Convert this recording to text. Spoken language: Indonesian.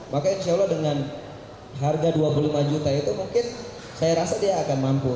maka insya allah dengan harga dua puluh lima juta itu mungkin saya rasa dia akan mampu